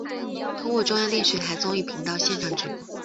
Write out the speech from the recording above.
通过中央电视台综艺频道现场直播。